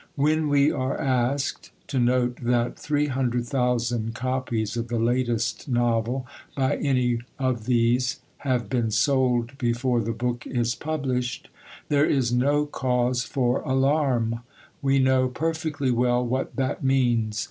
When we are asked to note that 300,000 copies of the latest novel by any of these have been sold before the book is published, there is no cause for alarm. We know perfectly well what that means.